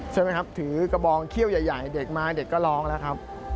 ใช่ไหมครับถือกระบองเขี้ยวใหญ่เด็กมาเด็กก็ร้องแล้วครับ